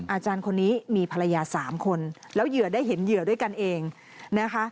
อาจารย์คนนี้มีภรรยา๓คนแล้วเหยื่อได้เห็นเหยื่อด้วยกันเองนะคะ